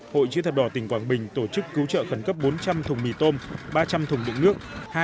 hội chứa thập đỏ tỉnh quảng bình tổ chức cứu trợ khẩn cấp bốn trăm linh thùng mì tôm ba trăm linh thùng đựng nước